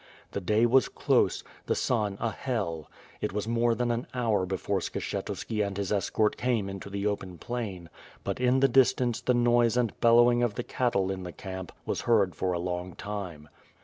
The day was close, the sun a Hell. It was more than an hour before Skshetuski and his escort came into the open plain, but in the distance the noise and bellowing of the cattle in the camp was heard for a long time.